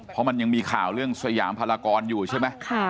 เพราะมันยังมีข่าวเรื่องสยามพลากรอยู่ใช่ไหม